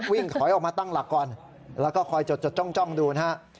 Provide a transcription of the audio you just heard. วิ่งถอยออกมาตั้งหลักก่อนแล้วก็คอยจดจ้องดูนะฮะ